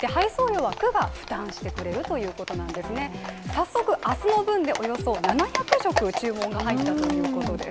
早速、明日の分でおよそ７００食注文が入ったということです。